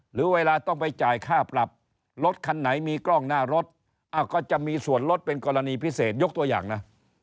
หรือเวลาต้องไปจ่ายค่าปรับรถคันไหนมีกล้องหน้ารถก็จะมีส่วนลดเป็นกรณีพิเศษยกตัวอย่างนะ